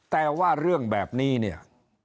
แต่ว่าเรื่องแบบนี้เนี่ย